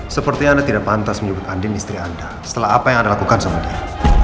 seperti anda tidak pantas menyebut andin istri anda setelah apa yang anda lakukan sebenarnya